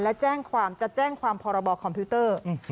และแจ้งความจะแจ้งความพรบคอมพิวเตอร์